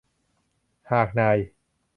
หากนาย